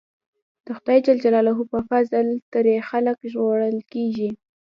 د خدای ج په فضل ترې خلک ژغورل کېږي.